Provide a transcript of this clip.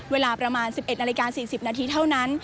เวลาประมาณ๑๑นาฬิกา๔๐นาทีเท่านั้น